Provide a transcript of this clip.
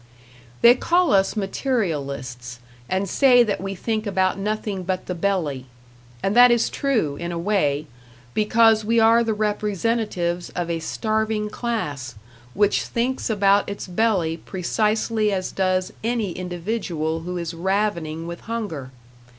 They call us materialists, and say that we think about nothing but the belly and that is true, in a way; because we are the representatives of a starving class, which thinks about its belly precisely as does any individual who is ravening with hunger.